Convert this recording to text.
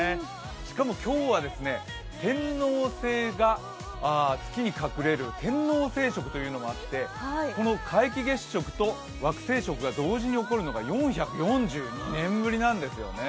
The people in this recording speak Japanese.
しかも今日は天王星が月に隠れる天王星食というのもあってこの皆既月食と惑星食が同時に起こるのが４４２年ぶりなんですよね。